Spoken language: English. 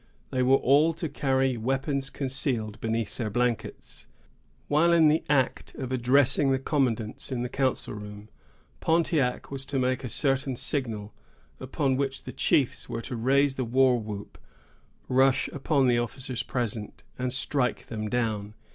They were all to carry weapons concealed beneath their blankets. While in the act of addressing the commandant in the council room, Pontiac was to make a certain signal, upon which the chiefs were to raise the war whoop, rush upon the officers present, and strike them down.